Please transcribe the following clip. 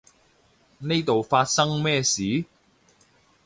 呢度發生咩事？